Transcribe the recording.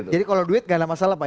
jadi kalau duit gak ada masalah pak